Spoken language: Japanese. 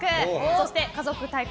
そして家族対抗！